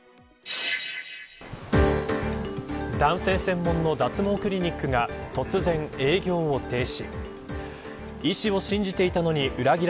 男性専門の脱毛クリニックが突然、営業を停止。